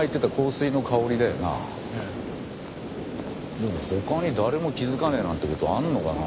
でも他に誰も気づかねえなんて事あんのかなあ？